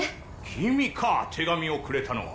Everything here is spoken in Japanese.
キミか手紙をくれたのは。